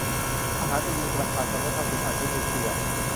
ทหารจะยิงประชาชน และทักษิณอาจใช้นิวเคลียร์ !